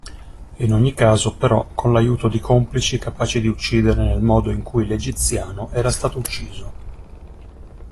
In ogni caso però con l'aiuto di complici capaci di uccidere nel modo in cui l'egiziano era stato ucciso.